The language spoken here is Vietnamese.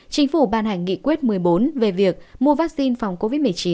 chính phủ ban hành nghị quyết một mươi bốn về việc mua vaccine phòng covid một mươi chín